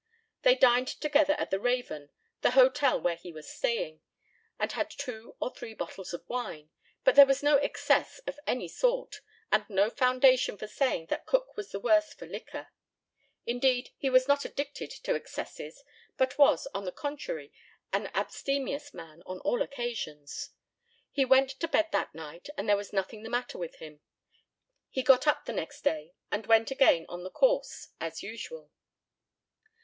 They dined together at the Raven, the hotel where he was staying, and had two or three bottles of wine, but there was no excess of any sort, and no foundation for saying that Cook was the worse for liquor. Indeed he was not addicted to excesses, but was, on the contrary, an abstemious man on all occasions. He went to bed that night, and there was nothing the matter with him. He got up the next day, and went again on the course, as usual.